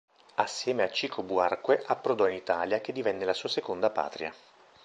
Assieme a Chico Buarque approdò in Italia che divenne la sua seconda patria.